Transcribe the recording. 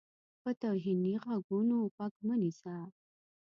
په توهیني غږونو غوږ مه نیسه.